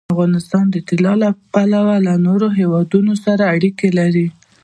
افغانستان د طلا له پلوه له نورو هېوادونو سره اړیکې لري.